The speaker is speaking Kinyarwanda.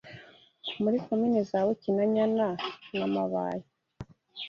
muri komini za Bukinanyana na Mabayi